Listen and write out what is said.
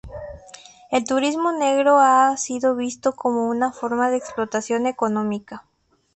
El turismo negro ha sido visto como una forma de explotación económica.